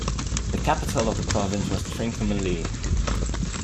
The capital of the province was Trincomalee.